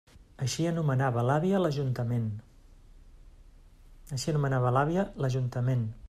Així anomenava l'àvia l'ajuntament.